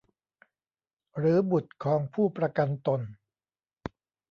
หรือบุตรของผู้ประกันตน